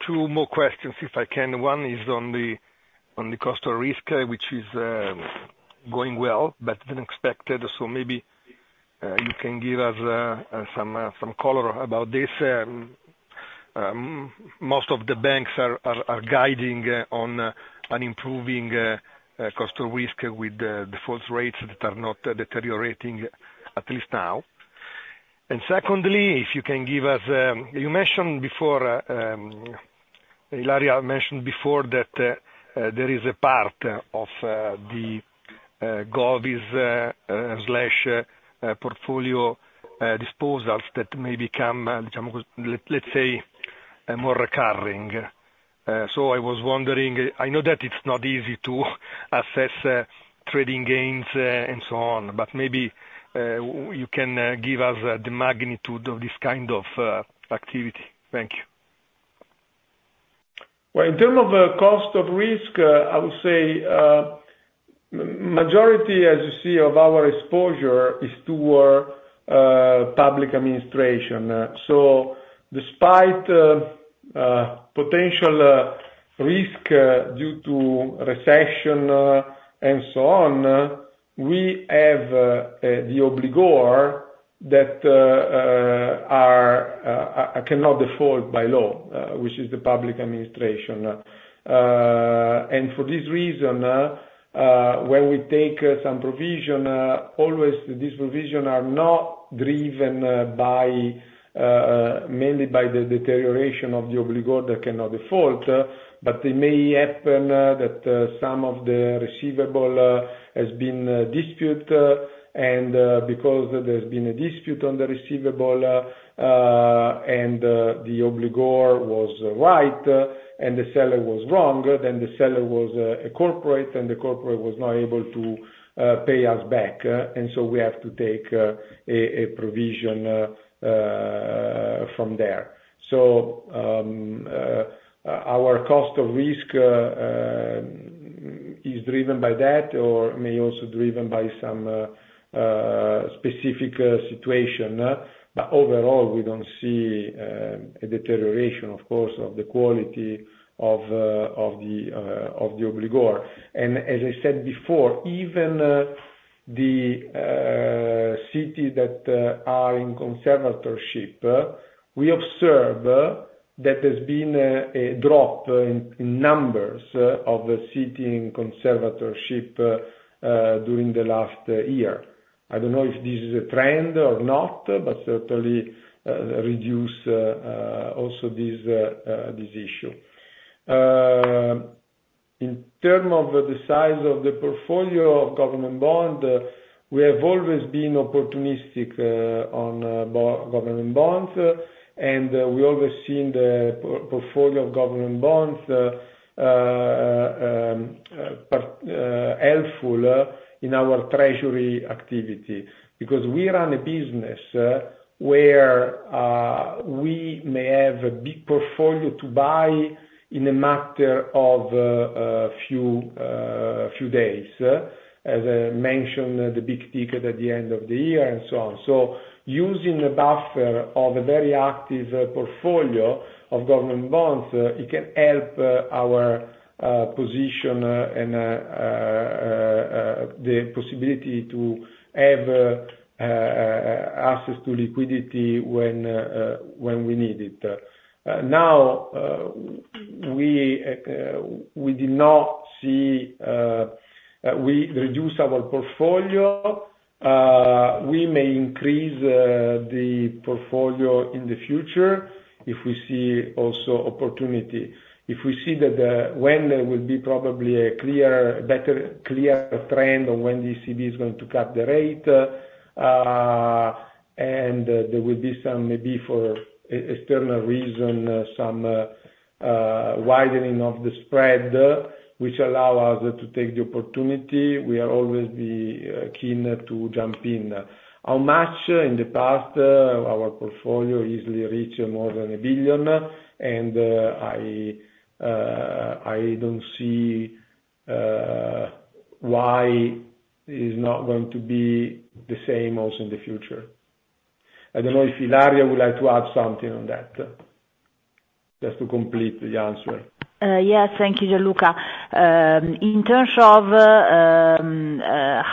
Two more questions, if I can. One is on the cost of risk, which is going well, better than expected, so maybe you can give us some color about this. Most of the banks are guiding on improving cost of risk with default rates that are not deteriorating, at least now. Secondly, if you can give us. You mentioned before, Ilaria mentioned before that there is a part of the Govies portfolio disposals that may become, let's say, more recurring. So I was wondering, I know that it's not easy to assess trading gains and so on, but maybe you can give us the magnitude of this kind of activity. Thank you. Well, in terms of cost of risk, I would say majority, as you see, of our exposure is toward public administration. So despite potential risk due to recession and so on, we have the obligor that are cannot default by law, which is the public administration. And for this reason, when we take some provision, always this provision are not driven mainly by the deterioration of the obligor that cannot default, but it may happen that some of the receivables has been disputed. And, because there's been a dispute on the receivable, and, the obligor was right, and the seller was wrong, then the seller was, a corporate, and the corporate was not able to pay us back, and so we have to take a provision from there. So, our cost of risk, is driven by that or may also driven by some, specific, situation. But overall, we don't see a deterioration, of course of the quality of, of the, of the obligor. And as I said before, even the city that, are in conservatorship, we observe, that there's been a drop in, in numbers of the city in conservatorship, during the last, year. I don't know if this is a trend or not, but certainly reduce also this issue. In terms of the size of the portfolio of government bonds, we have always been opportunistic on government bonds, and we always see the portfolio of government bonds part helpful in our treasury activity. Because we run a business where we may have a big portfolio to buy in a matter of a few days, as I mentioned, the big ticket at the end of the year, and so on. Using a buffer of a very active portfolio of government bonds, it can help our position, and the possibility to have access to liquidity when we need it. Now, we did not see, we reduce our portfolio. We may increase the portfolio in the future if we see also opportunity. If we see that, when there will be probably a clearer, better, clearer trend on when the ECB is going to cut the rate, and there will be some, maybe for external reason, some widening of the spread, which allow us to take the opportunity, we are always keen to jump in. How much? In the past, our portfolio easily reach more than 1 billion, and I don't see why it's not going to be the same also in the future. I don't know if Ilaria would like to add something on that, just to complete the answer. Yes, thank you, Gianluca. In terms of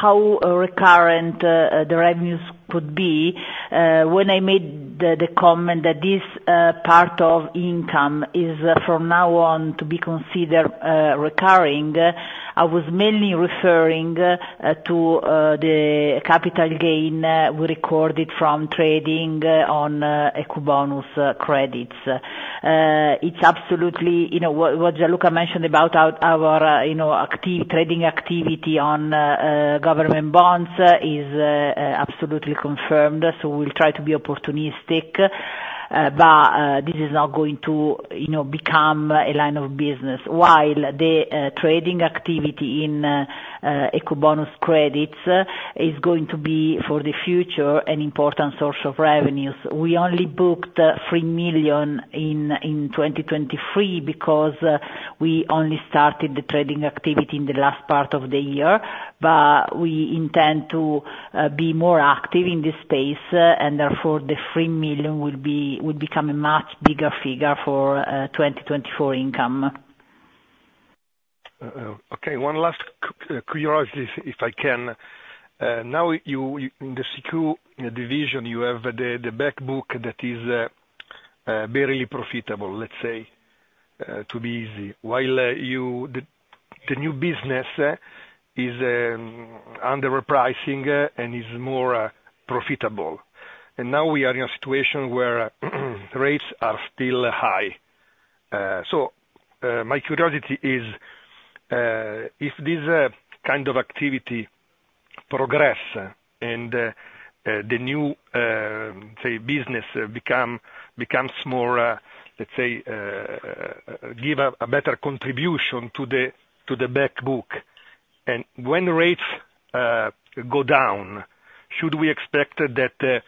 how recurrent the revenues could be, when I made the comment that this part of income is from now on to be considered recurring, I was mainly referring to the capital gain we recorded from trading on Ecobonus credits. It's absolutely, you know what Gianluca mentioned about our you know active trading activity on government bonds is absolutely confirmed, so we'll try to be opportunistic, but this is not going to, you know, become a line of business. While the trading activity in Ecobonus credits is going to be, for the future, an important source of revenues. We only booked 3 million in 2023 because we only started the trading activity in the last part of the year, but we intend to be more active in this space, and therefore the 3 million will become a much bigger figure for 2024 income. Okay, one last curiosity, if I can. Now you, in the secure division, you have the back book that is barely profitable, let's say, to be easy. While you, the new business is underpricing and is more profitable. And now we are in a situation where rates are still high. So my curiosity is, if this kind of activity progress and the new business becomes more, let's say, give a better contribution to the back book, and when rates go down, should we expect that the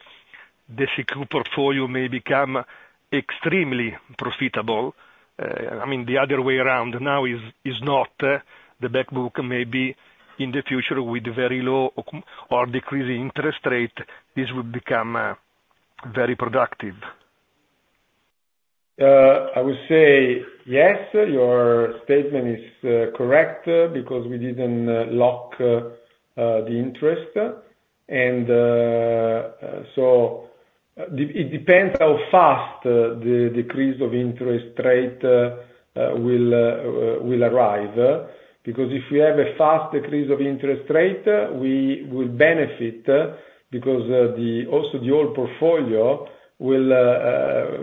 secure portfolio may become extremely profitable? I mean, the other way around now is not the back book may be in the future with very low or decreasing interest rate; this would become very productive. I would say yes, your statement is correct, because we didn't lock the interest. It depends how fast the decrease of interest rate will arrive, because if we have a fast decrease of interest rate, we will benefit, because also the old portfolio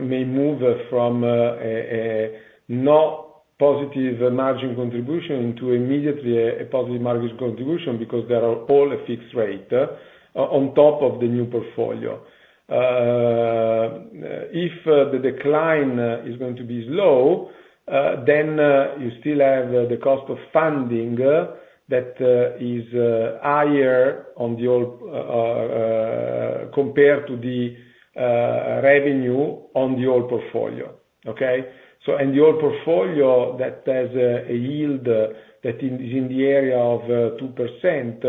may move from a not positive margin contribution into immediately a positive margin contribution, because they are all a fixed rate on top of the new portfolio. If the decline is going to be slow, then you still have the cost of funding that is higher on the old compared to the revenue on the old portfolio. Okay? So, the old portfolio that has a yield that is in the area of 2%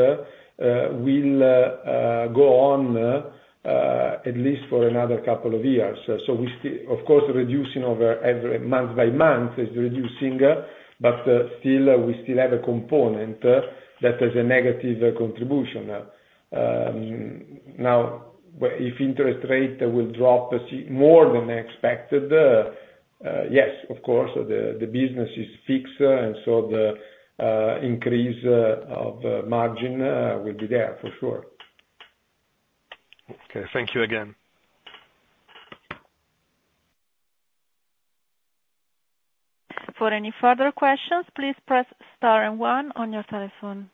will go on at least for another couple of years. So we still of course, reducing over every month by month is reducing, but still, we still have a component that has a negative contribution. Now, if interest rate will drop more than expected, yes, of course, the business is fixed, and so the increase of margin will be there for sure. Okay. Thank you again. For any further questions, please press star and one on your telephone.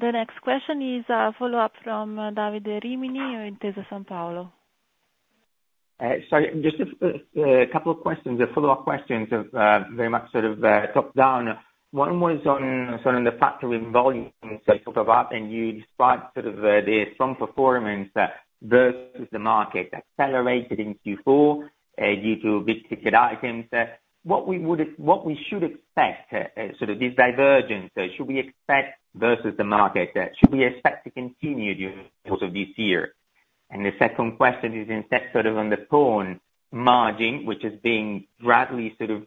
The next question is a follow-up from Davide Rimini Intesa Sanpaolo. So just a couple of questions, a follow-up questions of, very much sort of, top down. One was on sort of the factoring volume, so sort of up, and you described sort of, the strong performance, versus the market accelerated in Q4, due to big ticket items. What we would, what we should expect, sort of this divergence, should we expect versus the market? Should we expect to continue during course of this year? And the second question is instead sort of on the pawn margin, which is being gradually sort of,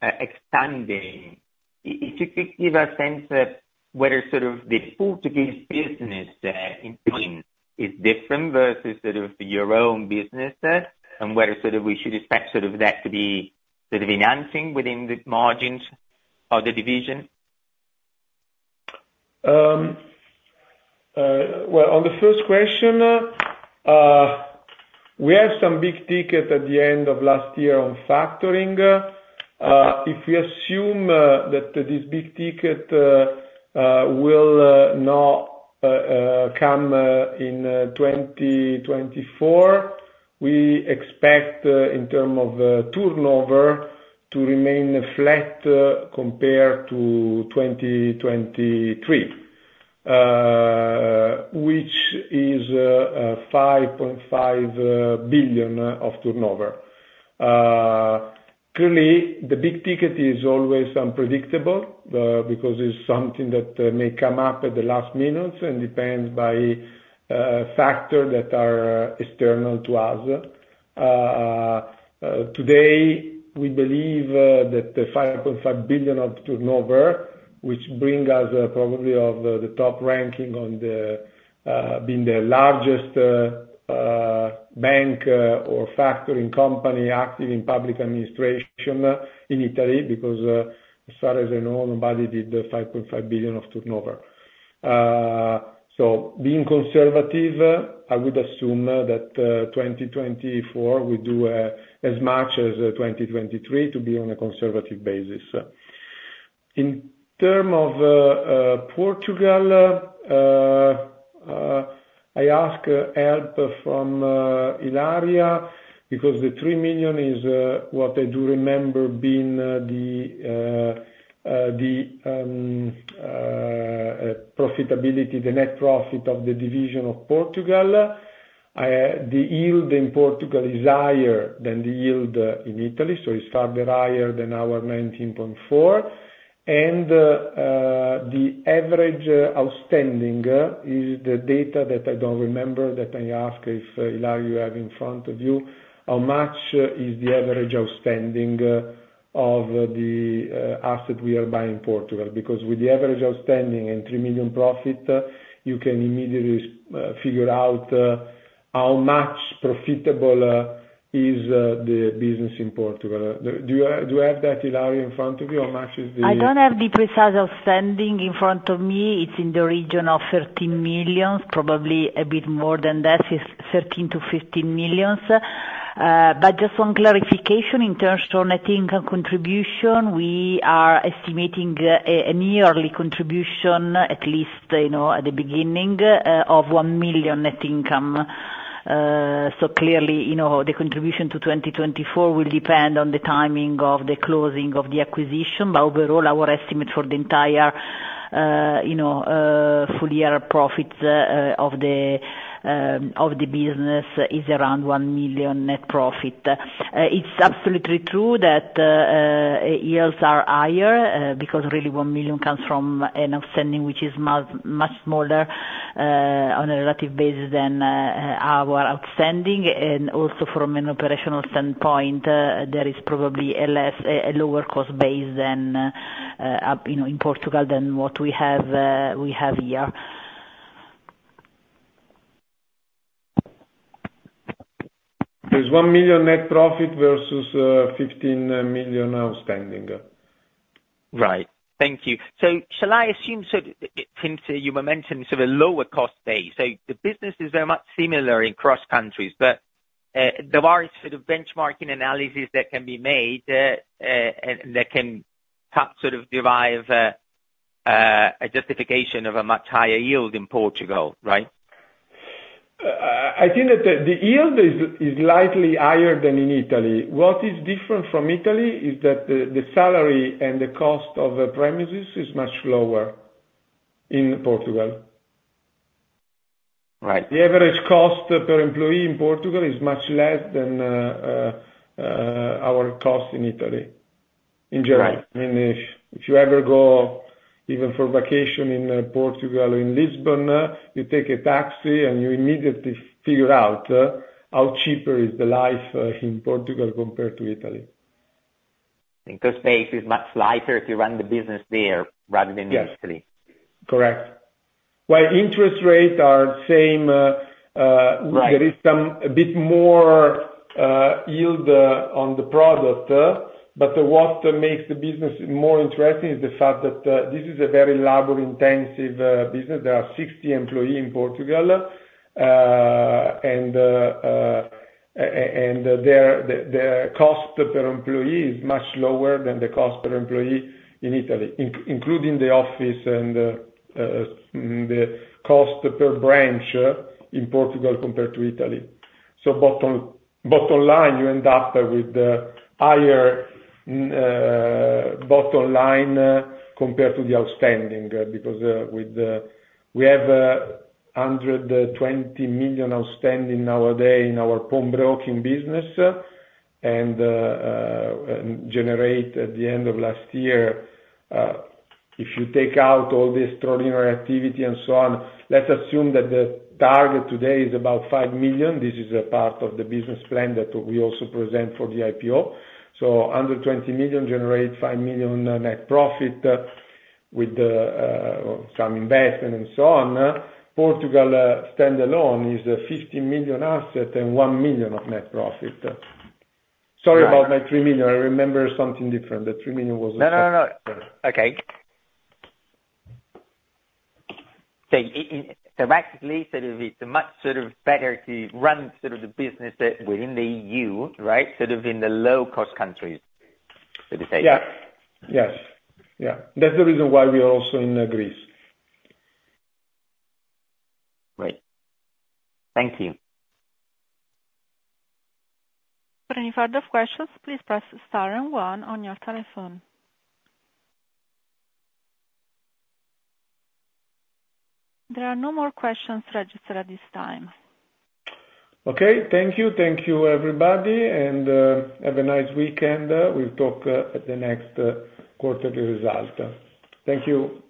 expanding. If you could give a sense of whether sort of the Portuguese business is different versus sort of your own business, and whether sort of we should expect sort of that to be sort of enhancing within the margins of the division? Well, on the first question, we have some big ticket at the end of last year on factoring. If we assume that this big ticket will not come in 2024, we expect in term of turnover to remain flat compared to 2023, which is 5.5 billion of turnover. Clearly, the big ticket is always unpredictable because it's something that may come up at the last minute, and depends by factor that are external to us. Today, we believe that the 5.5 billion of turnover, which bring us probably of the top ranking on the being the largest bank or factoring company active in public administration in Italy, because as far as I know, nobody did the 5.5 billion of turnover. So being conservative, I would assume that 2024 will do as much as 2023 to be on a conservative basis. In terms of Portugal, I ask help from Ilaria, because the 3 million is what I do remember being the profitability, the net profit of the division of Portugal. The yield in Portugal is higher than the yield in Italy, so it's farther higher than our 19.4%. The average outstanding is the data that I don't remember, that I ask if Ilaria you have in front of you, how much is the average outstanding of the asset we are buying in Portugal? Because with the average outstanding and 3 million profit, you can immediately figure out how much profitable is the business in Portugal. Do you have that Ilaria, in front of you? How much is the? I don't have the precise outstanding in front of me. It's in the region of 13 million, probably a bit more than that, is 13 million-15 million. But just one clarification, in terms of net income contribution, we are estimating, a yearly contribution, at least, you know, at the beginning, of 1 million net income. So clearly, you know, the contribution to 2024 will depend on the timing of the closing of the acquisition. But overall, our estimate for the entire, you know, full year profits, of the business is around 1 million net profit. It's absolutely true that, yields are higher, because really 1 million comes from an outstanding, which is much smaller, on a relative basis than, our outstanding. Also from an operational standpoint, there is probably a lower cost base than, you know, in Portugal than what we have here. There's 1 million net profit versus 15 million outstanding. Right. Thank you. So shall I assume it seems you were mentioning sort of a lower cost base. So the businesses are much similar across countries, but there are sort of benchmarking analysis that can be made, and that can help sort of derive a justification of a much higher yield in Portugal, right? I think that the yield is slightly higher than in Italy. What is different from Italy is that the salary and the cost of the premises is much lower in Portugal. Right. The average cost per employee in Portugal is much less than our cost in Italy, in general. Right. I mean, if you ever go, even for vacation in Portugal, in Lisbon, you take a taxi and you immediately figure out how cheaper is the life in Portugal compared to Italy. Cost base is much lighter if you run the business there, rather than in Italy. Yes. Correct. While interest rates are the same. Right There is some, a bit more yield on the product. But what makes the business more interesting is the fact that this is a very labor-intensive business. There are 60 employee in Portugal, and their cost per employee is much lower than the cost per employee in Italy, including the office and the cost per branch in Portugal compared to Italy. So bottom line, you end up with the higher bottom line compared to the outstanding, because with the. We have 120 million outstanding nowadays in our pawnbroking business, and generate at the end of last year, if you take out all the extraordinary activity and so on, let's assume that the target today is about 5 million. This is a part of the business plan that we also present for the IPO. So on the 120 million, generate 5 million net profit, with the some investment and so on. Portugal, standalone, is a 50 million asset and 1 million of net profit. Right. Sorry about my 3 million. I remember something different. The 3 million was. No, no, no. Okay. So basically, so it's a much sort of better to run sort of the business within the EU, right? Sort of in the low-cost countries, so to say. Yeah. Yes. Yeah. That's the reason why we are also in Greece. Great. Thank you. For any further questions, please press star and one on your telephone. There are no more questions registered at this time. Okay. Thank you. Thank you, everybody, and have a nice weekend. We'll talk at the next quarterly result. Thank you.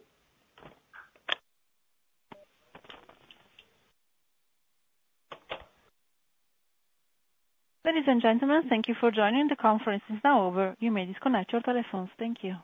Ladies and gentlemen, thank you for joining. The conference is now over. You may disconnect your telephones. Thank you.